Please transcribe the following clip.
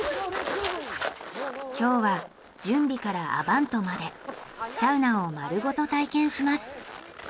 今日は準備からアヴァントまでサウナを丸ごと体験します。